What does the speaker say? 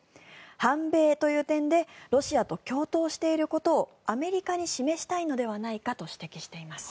反米という点でロシアと共闘していることをアメリカに示したいのではないかと指摘しています。